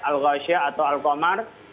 al ghasha atau al komar